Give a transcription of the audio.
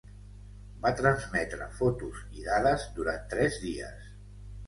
Va transmetre fotos i dades durant tres dies.